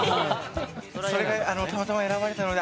それが、たまたま選ばれたので